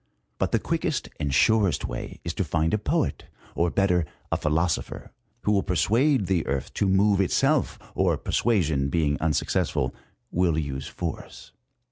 But the quickest and surest way is to find a poet, or, better, a philosopher, who will persuade the Earth to move itself, or persuasion being unsuccessful, wiU use force.